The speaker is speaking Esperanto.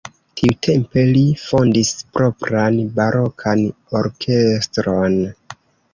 Tiutempe li fondis propran barokan orkestron.